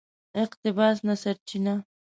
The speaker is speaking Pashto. اقتباس نه سرچینه